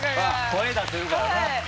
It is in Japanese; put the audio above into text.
声出せるからな。